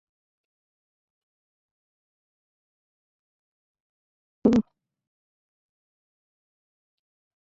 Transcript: Se correspondía en gran parte con el actual departamento de Maine-et-Loire.